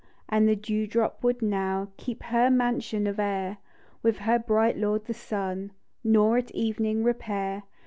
And the dew drop would now Keep her mansion of air, With her bright lord the sun, Nor, at evening, repair THE DEW DROP.